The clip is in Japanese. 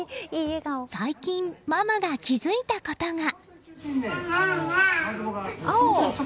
最近、ママが気づいたことが。